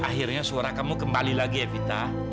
akhirnya suara kamu kembali lagi evita